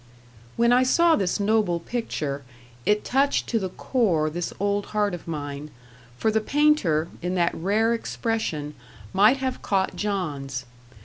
When I saw this noble picture, it touched to the core this old heart of mine for the painter, in that rare expression, might have caught John's.